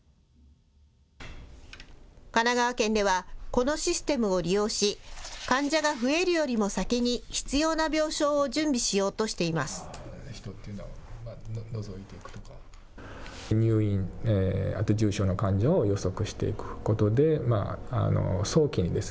神奈川県では、このシステムを利用し、患者が増えるよりも先に必要な病床を準備しようとしています。